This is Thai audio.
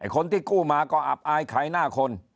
คนที่กู้มาก็อับอายขายหน้าคน